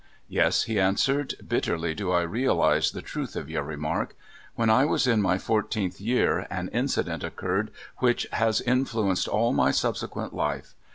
"Yes," he answered, "bitterly do I realize the truth of your remark. When I was in my four teenth year an incident occurred which has influ enced all my subsequent life.